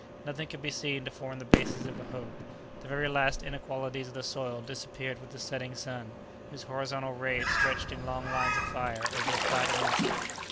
Nothing could be seen to form the basis of a hope. The very last inequalities of the soil disappeared with the setting sun, whose horizontal rays stretched in long lines of fire over the flat immensity.